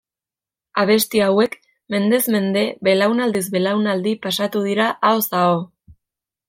Abesti hauek, mendez mende, belaunaldiz belaunaldi pasatu dira, ahoz aho.